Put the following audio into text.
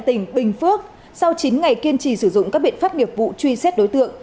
tỉnh bình phước sau chín ngày kiên trì sử dụng các biện pháp nghiệp vụ truy xét đối tượng